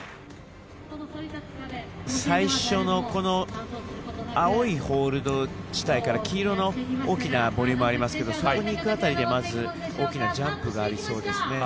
最初の青いホールド地帯から黄色の大きなボリュームありますがそこに行く辺りで、まず大きなジャンプがありそうですね。